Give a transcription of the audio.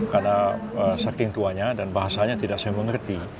karena saking tuanya dan bahasanya tidak saya mengerti